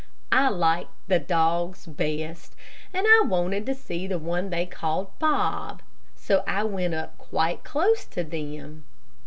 I liked the dogs best, and I wanted to see the one they called Bob, so I went up quite close to them.